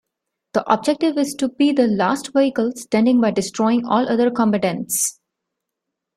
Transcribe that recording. The objective is to be the last vehicle standing by destroying all other combatants.